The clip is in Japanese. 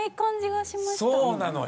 そうなのよ！